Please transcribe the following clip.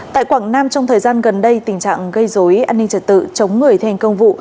tại quảng nam trong thời gian gần đây tình trạng gây dối an ninh trật tự chống người thi hành công vụ